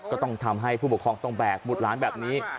ก็ต้องทำให้ผู้ปกครองต้องแบกบุตรหลานแบบนี้